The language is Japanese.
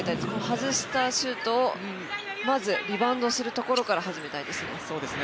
外したシュートをまず、リバウンドするところから始めたいですね。